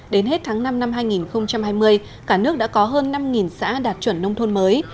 đến hết tháng năm năm hai nghìn hai mươi cả nước đã có hơn năm xã đạt chuẩn nông thôn mới